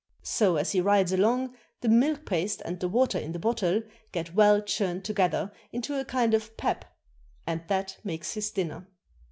So, as he rides along, the milk paste and the water in the bottle get well churned to gether into a kind of pap, and that makes his dinner.